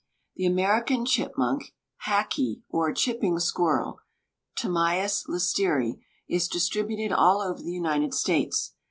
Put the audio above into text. The American chipmunk, hackee, or chipping squirrel (Tamias lysteri) is distributed all over the United States.